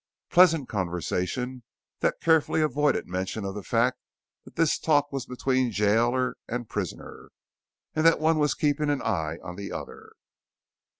Pleasant conversation that carefully avoided mention of the fact that this talk was between jailer and prisoner and that one was keeping an eye on the other.